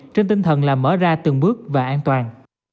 trên tinh thần là mở ra từng bước và an toàn